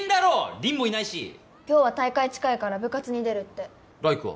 凛もいないし今日は大会近いから部活に出るって来玖は？